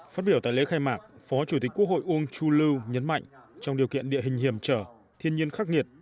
phát biểu tại lễ khai mạc phó chủ tịch quốc hội uông chu lưu nhấn mạnh trong điều kiện địa hình hiểm trở thiên nhiên khắc nghiệt